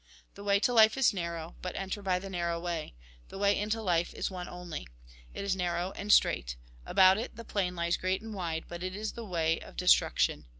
The way to life is narrow, but enter by the narrow way. The way into life is one only. It is narrow and strait. About it the plain lies great and wide, but it is the way of destruction.